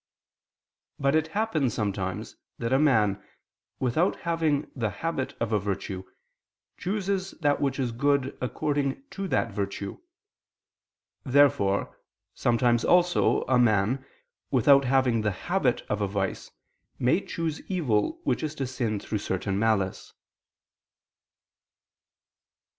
But it happens sometimes that a man, without having the habit of a virtue, chooses that which is good according to that virtue. Therefore sometimes also a man, without having the habit of a vice, may choose evil, which is to sin through certain malice.